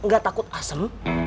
gak takut asem